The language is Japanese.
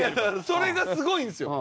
それがすごいんですよ。